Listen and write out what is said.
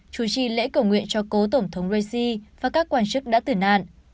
chủ trì lễ cầu nguyện cho cố tổng thống raisi và các quan chức đã tử nạn